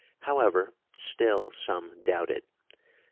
However, still some doubted.